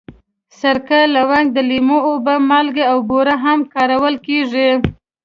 سرکه، لونګ، د لیمو اوبه، مالګه او بوره هم کارول کېږي.